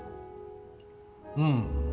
うん。